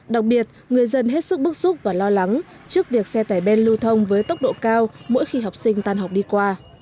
đặc biệt người dân hết sức bức xúc và lo lắng trước việc xe tải ben lưu thông với tốc độ cao mỗi khi học sinh tan học đi qua